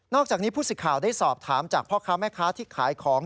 อกจากนี้ผู้สิทธิ์ข่าวได้สอบถามจากพ่อค้าแม่ค้าที่ขายของ